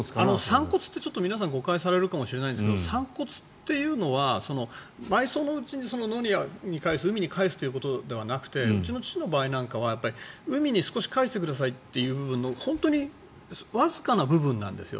散骨って皆さん誤解されるかもしれないんですが散骨っていうのは、埋葬のうちに野にかえす、海にかえすというわけではなくてうちの父の場合には海に少しかえしてくださいという部分の、本当にわずかな部分なんですよ。